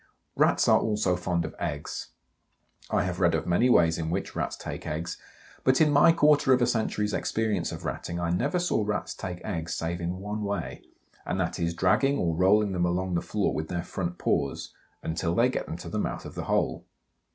Rats are also fond of eggs. I have read of many ways in which Rats take eggs, but in my quarter of a century's experience of Ratting I never saw Rats take eggs save in one way, and that is, dragging or rolling them along the floor with their front paws, until they get them to the mouth of the hole.